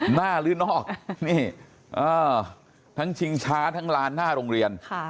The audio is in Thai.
หรือนอกนี่ทั้งชิงช้าทั้งลานหน้าโรงเรียน